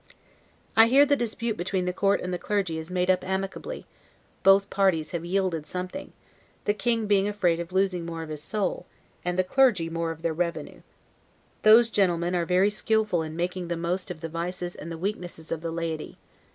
I hear the dispute between the court and the clergy is made up amicably, both parties have yielded something; the king being afraid of losing more of his soul, and the clergy more of their revenue. Those gentlemen are very skillful in making the most of the vices and the weaknesses of the laity.